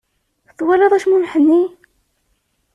Twalaḍ acmumeḥ-nni?